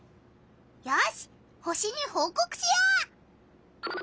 よし星にほうこくしよう！